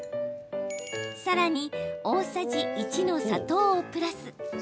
さらに、大さじ１の砂糖をプラス。